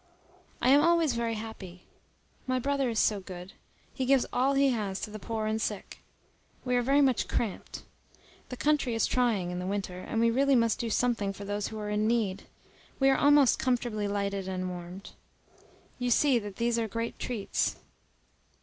I am always very happy. My brother is so good. He gives all he has to the poor and sick. We are very much cramped. The country is trying in the winter, and we really must do something for those who are in need. We are almost comfortably lighted and warmed. You see that these are great treats.